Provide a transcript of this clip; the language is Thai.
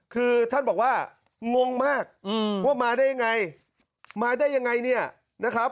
คือท่านบอกว่างงมากว่ามาได้ยังไงมาได้ยังไงเนี่ยนะครับ